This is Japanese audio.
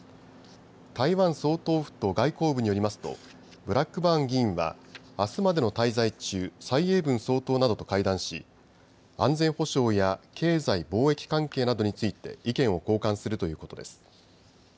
台湾総統府と外交部によりますとブラックバーン議員はあすまでの滞在中、蔡英文総統などと会談し安全保障や経済・貿易関係などについて意見を交換するということです。